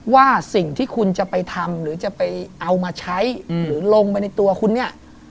ว่าสิ่งที่คุณจะไปทำหรือจะไปเอามาใช้หรือลงไปในตัวคุณเนี่ย